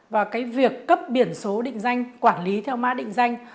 và cái việc cấp biển số định danh quản lý theo mã định danh